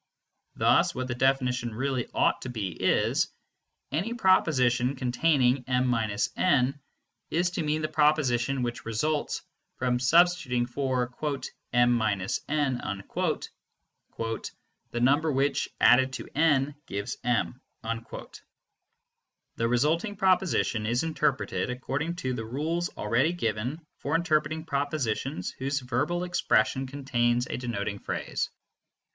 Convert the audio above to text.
Thus what the definition really ought to be is: "Any proposition containing m − n is to mean the proposition which results from substituting for 'm − n' 'the number which, added to n, gives m.' " The resulting proposition is interpreted according to the rules already given for interpreting propositions whose verbal expression contains a denoting phrase.